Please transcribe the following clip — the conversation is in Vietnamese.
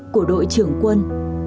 của đội trưởng quân